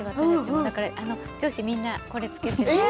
だから女子みんなこれをつけているんです。